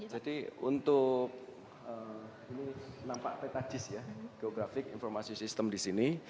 jadi untuk ini nampak peta gis ya geographic information system di sini